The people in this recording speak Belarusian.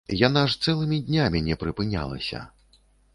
Яна ж цэлымі днямі не прыпынялася.